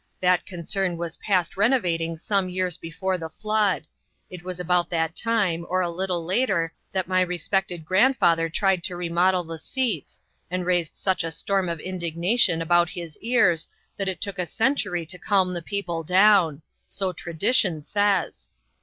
That concern was past reno vating some years before the flood. It was about that time, or a little later, that my respected grandfather tried to remodel the seats, and raised such a storm of indignation about his ears that it took a century to calm the people down ; so tradition saj's.